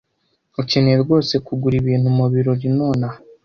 Ukeneye rwose kugura ibintu mubirori nonaha?